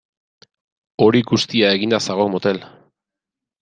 Hori guztia eginda zagok motel!